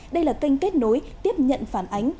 đây là kênh kết nối tiếp nhận phản ánh